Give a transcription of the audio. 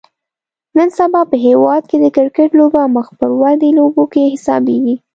نن سبا په هیواد کې د کرکټ لوبه مخ پر ودې لوبو کې حسابیږي